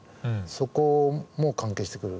そこも関係してくる。